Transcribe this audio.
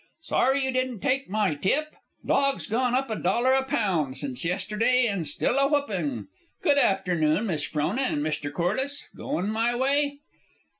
"Sorry you didn't take my tip? Dogs gone up a dollar a pound since yesterday, and still a whoopin'. Good afternoon, Miss Frona, and Mr. Corliss. Goin' my way?"